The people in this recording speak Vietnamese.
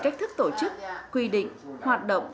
cách thức tổ chức quy định hoạt động